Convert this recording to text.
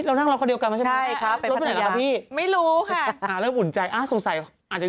แต่ตลอดที่จะเป็นเราเราคงช็อก